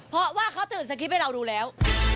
เพราะว่าเขาตื่นสคริปต์ให้เราดูแล้ว